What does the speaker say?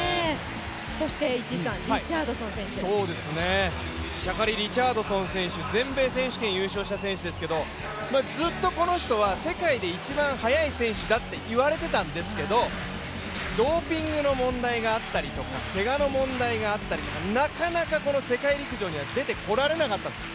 そして、リチャードソン選手シャカリ・リチャードソン選手全米選手権優勝した選手ですけれどもずっとこの人は世界で一番速い選手だっていわれてたんですけどドーピングの問題があったりとか、けがの問題があったりとかなかなかこの世陸陸上には出てこられなかったんです。